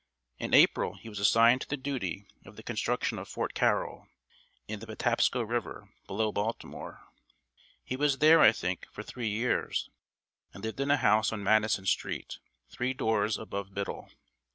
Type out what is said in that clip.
In April he was assigned to the duty of the construction of Fort Carroll, in the Patapsco River, below Baltimore. He was there, I think, for three years, and lived in a house on Madison Street, three doors above Biddle.